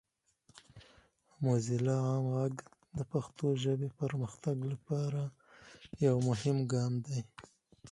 موزیلا عام غږ د پښتو ژبې پرمختګ لپاره یو مهم ګام دی.